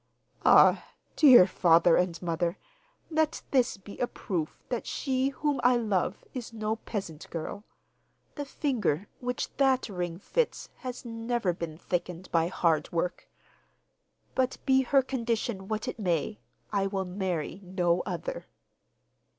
'Ah, dear father and mother, let this be a proof that she whom I love is no peasant girl. The finger which that ring fits has never been thickened by hard work. But be her condition what it may, I will marry no other.